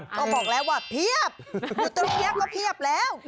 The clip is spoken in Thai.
ก็บอกแล้วว่าเทียบอยู่ตรงเทียบก็เทียบแล้ว